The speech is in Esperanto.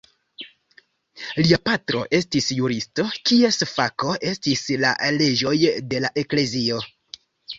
Lia patro estis juristo kies fako estis la leĝoj de la eklezio.